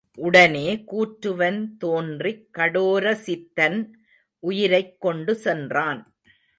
உடனே கூற்றுவன் தோன்றிக் கடோரசித்தன் உயிரைக்கொண்டு சென்றனன்.